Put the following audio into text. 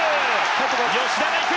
吉田がいく。